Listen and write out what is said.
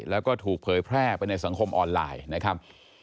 แล้วก็ถูกเผยแพร่ไปในสังคมออนไลน์นะครับ